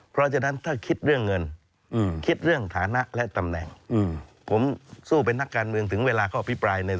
เพราะฉะนั้นถ้าคิดเรื่องเงิน